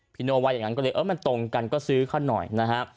โน่ว่าอย่างนั้นก็เลยเออมันตรงกันก็ซื้อเขาหน่อยนะฮะ